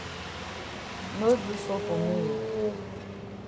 No do so for me oo.